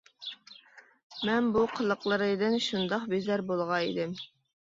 مەن بۇ قىلىقلىرىدىن شۇنداق بىزار بولغان ئىدىم.